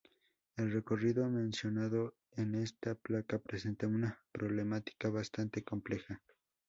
El recorrido mencionado en esta placa presenta una problemática bastante compleja.